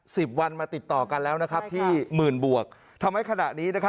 สิบวันมาติดต่อกันแล้วนะครับที่หมื่นบวกทำให้ขณะนี้